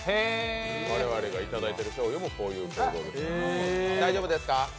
我々がいただいてる醤油もこういう醸造です。